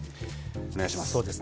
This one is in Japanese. お願いします。